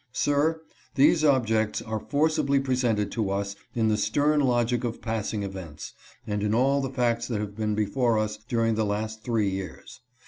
Sir, these objects are forcibly presented to us in the stern logic of passing events, and in all the facts that have been before us during the last three years.